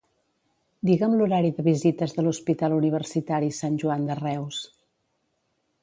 Digue'm l'horari de visites de l'Hospital Universitari Sant Joan de Reus.